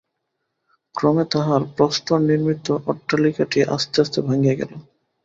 ক্রমে তাঁহার প্রস্তরনির্মিত অট্টালিকাটি আস্তে আস্তে ভাঙিয়া গেল।